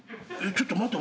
ちょっと待て。